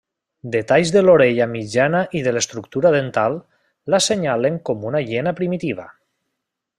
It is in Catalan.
Detalls de l'orella mitjana i de l'estructura dental, l'assenyalen com una hiena primitiva.